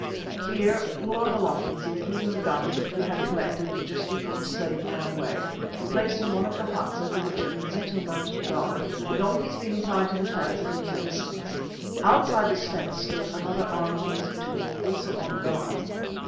Here all our belongings, including the guns which we had collected just before the slaves ran away, were placed in one of the huts over which a Mazitu mounted guard, the donkeys being tied to the fence at a little distance. Outside this fence stood another armed Mazitu, also on guard.